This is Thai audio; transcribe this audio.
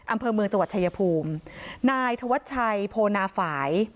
อำเภอเมืองจังหวัดชายภูมินายธวัชชัยโพนาฝ่าย